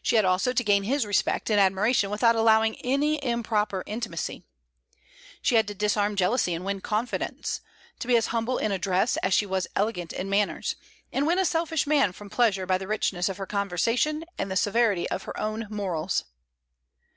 She had also to gain his respect and admiration without allowing any improper intimacy. She had to disarm jealousy and win confidence; to be as humble in address as she was elegant in manners, and win a selfish man from pleasure by the richness of her conversation and the severity of her own morals.